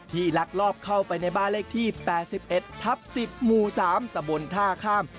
ลักลอบเข้าไปในบ้านเลขที่๘๑ทับ๑๐หมู่๓ตะบนท่าข้าม